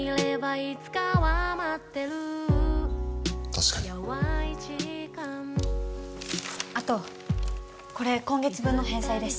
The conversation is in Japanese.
確かにあとこれ今月分の返済です